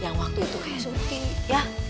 yang waktu itu kan surti ya